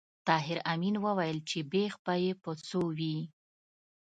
طاهر آمین وویل چې بېخ به یې په څو وي